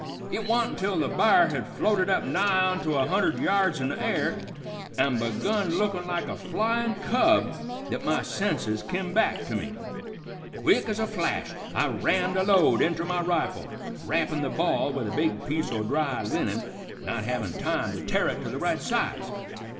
It wa'n't until the b'ar had floated up nigh onto a hundred yards in the air, an' begun to look like a flyin' cub, that my senses kim back to me. Quick ez a flash I rammed a load inter my rifle, wrappin' the ball with a big piece o' dry linen, not havin' time to tear it to the right size.